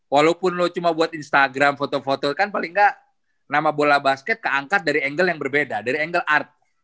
walaupun lu cuma buat instagram foto foto kan paling tidak nama bola basket keangkat dari angle yang berbeda dari angle art